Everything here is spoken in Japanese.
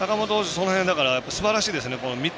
その辺すばらしいですね。